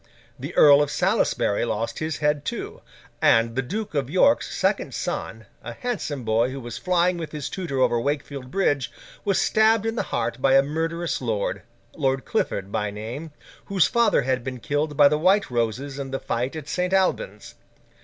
The Earl of Salisbury lost his head, too; and the Duke of York's second son, a handsome boy who was flying with his tutor over Wakefield Bridge, was stabbed in the heart by a murderous, lord—Lord Clifford by name—whose father had been killed by the White Roses in the fight at St. Alban's.